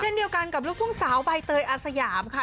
เดียวกันกับลูกทุ่งสาวใบเตยอาสยามค่ะ